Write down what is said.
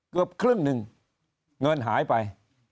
เกือบครึ่งหนึ่งเงินหายไป